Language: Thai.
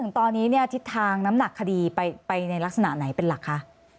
ทางน้ำหนักคดีไปในลักษณะไหนเป็นหลักคะ